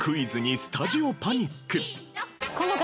この方。